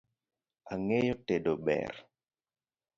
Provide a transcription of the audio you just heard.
Ang'eyo tedo ber